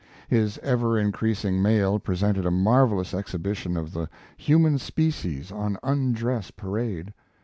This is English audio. His ever increasing mail presented a marvelous exhibition of the human species on undress parade.